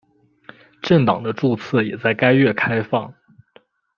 政党的注册也在该月开放。